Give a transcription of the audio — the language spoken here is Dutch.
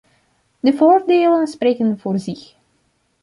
De voordelen spreken voor zich.